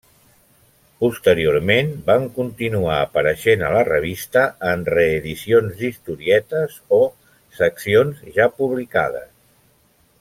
Posteriorment van continuar apareixent a la revista en reedicions d'historietes o seccions ja publicades.